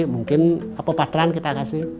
mungkin pepatran kita kasih